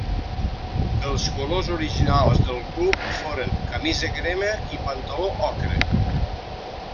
Els colors originals de club foren camisa crema i pantaló ocre.